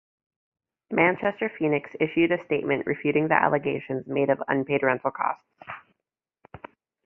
Manchester Phoenix issued a statement refuting the allegations made of unpaid rental costs.